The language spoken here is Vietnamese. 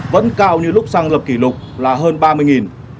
vẫn cao như lúc xăng lập kỷ lục là hơn ba mươi